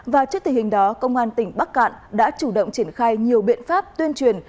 và trước tình hình đó công an tỉnh bắc cạn đã chủ động triển khai nhiều biện pháp tuyên truyền